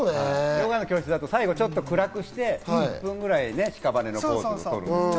ヨガの教室だと最後暗くして１分ぐらいしかばねのポーズをとる。